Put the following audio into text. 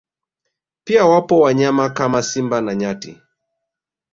Pia wapo wanyama kama Simba na nyati